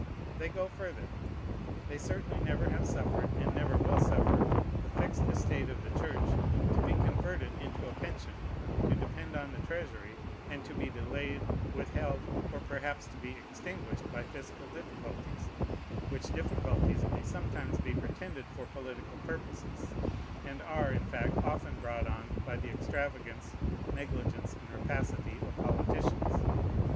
They go further. They certainly never have suffered, and never will suffer, the fixed estate of the Church to be converted into a pension, to depend on the Treasury, and to be delayed, withheld, or perhaps to be extinguished by fiscal difficulties: which difficulties may sometimes be pretended for political purposes, and are in fact often brought on by the extravagance, negligence, and rapacity of politicians.